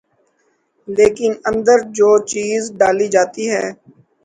لیکن اندر جو چیز ڈالی جاتی ہے۔